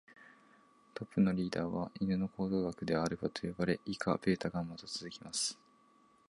トップのリーダーは犬の行動学ではアルファと呼ばれ、以下ベータ、ガンマと続きます。